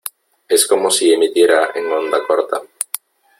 es como si emitiera en onda corta .